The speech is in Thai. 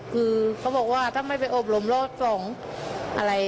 คือเขาบอกว่าถ้าไม่ไปอบรมรอบสองอะไร